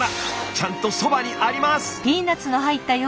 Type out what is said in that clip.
ちゃんとそばにあります！